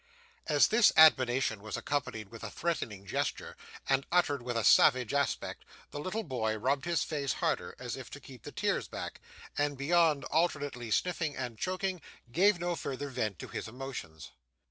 As this admonition was accompanied with a threatening gesture, and uttered with a savage aspect, the little boy rubbed his face harder, as if to keep the tears back; and, beyond alternately sniffing and choking, gave no further vent to his emotions.